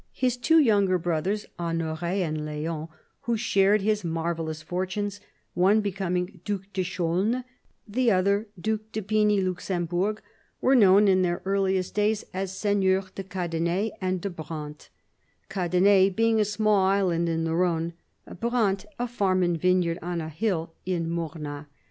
His two younger brothers, Honore and Leon, who shared his marvellous fortunes — one becoming Due de Chaulnes, the other Due de Piney Luxembourg — were known in their earlier days as Seigneurs de Cadenet and de Brantes ; Cadenet being a small island in the RhOne, Brantes a farm and vineyard on a hill at Mornas.